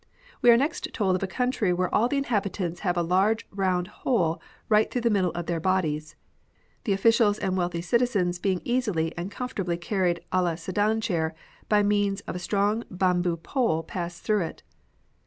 We are next told of a country where all the inhabitants have a larsre round hole rio^ht through the middle of their bodies, the officials and wealthy citizens being easily and comfortably carried a la sedan chair by means of a strong bamboo pole passed through it.